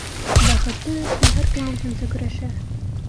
Бәхете өсөн һәр кем үҙенсә көрәшә.